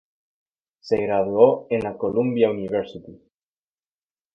Se graduó en la Columbia University.